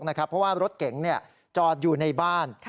เพราะว่ารถเก๋งจอดอยู่ในบ้าน